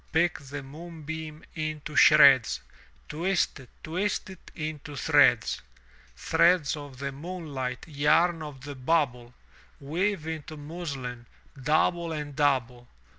Pick the moonbeam into shreds. Twist it, twist it into threads! Threads of the moonlight, yarn of the bubble. Weave into muslin, double and double!